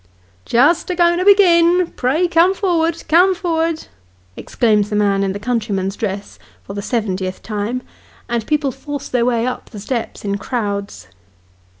*: Just a going to begin ! Pray come for'erd, come for'erd," exclaims the man in the countryman's dress, for the seventieth time : and people force their way up the steps in crowds.